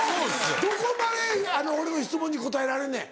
どこまで俺の質問に答えられんねん？